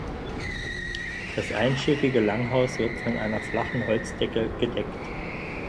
Das einschiffige Langhaus wird von einer flachen Holzdecke gedeckt.